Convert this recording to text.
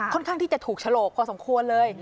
ข้างที่จะถูกฉลกพอสมควรเลย